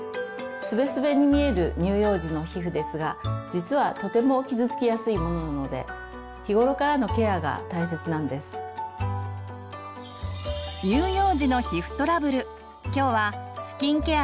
スベスベに見える乳幼児の皮膚ですが実はとても傷つきやすいものなので日頃からのケアが大切なんです。について。